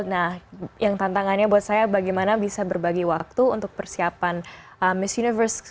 nah yang tantangannya buat saya bagaimana bisa berbagi waktu untuk persiapan miss universe